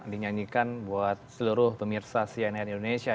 dinyanyikan buat seluruh pemirsa cnn indonesia